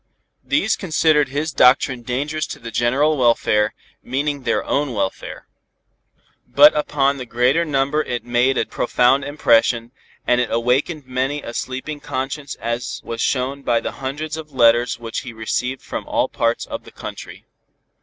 These considered his doctrine dangerous to the general welfare, meaning their own welfare. But upon the greater number it made a profound impression, and it awakened many a sleeping conscience as was shown by the hundreds of letters which he received from all parts of the country.